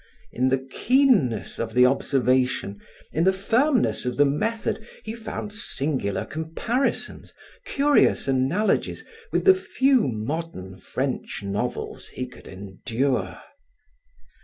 In the keenness of the observation, in the firmness of the method, he found singular comparisons, curious analogies with the few modern French novels he could endure.